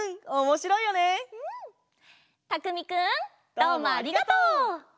どうもありがとう！